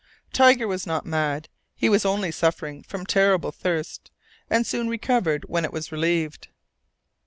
Tiger was not mad. He was only suffering from terrible thirst, and soon recovered when it was relieved.